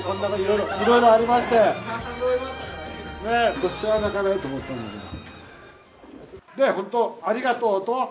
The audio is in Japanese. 今年は泣かないと思ったんだけど。